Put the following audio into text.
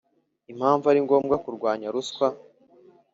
impamvu ari ngombwa kurwanya ruswa